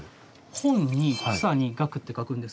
「本」に「草」に「学」って書くんですけど。